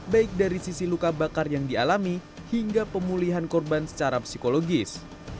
baik dari sisi luka bakar yang dialami hingga pemulihan korban secara psikologis